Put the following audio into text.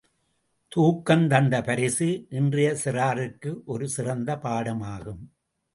தூக்கம் தந்த பரிசு இன்றைய சிறார்க்கு ஒரு சிறந்த பாடமாகும்.